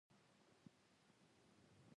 رحمان بابا یو صوفي شاعر ؤ